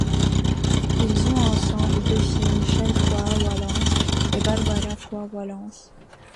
Ils ont ensemble deux filles, Michele Foi Wallace et Barbara Foi Wallace.